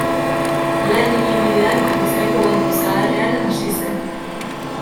Lan ibilbidean, Bizkaiko Banku zaharrean hasi zen.